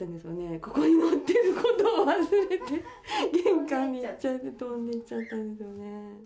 ここに乗ってること忘れて、玄関に出たら飛んでっちゃったんですよね。